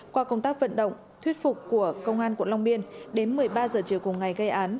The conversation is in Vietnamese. qua công tác vận động thuyết phục của công an quận long biên đến một mươi ba giờ chiều cùng ngày gây án